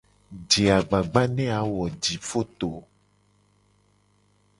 Je agbagba ne a wo jifoto.